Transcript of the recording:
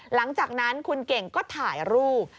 หลังจากนั้นคุณเก่งก็ถ่ายรูป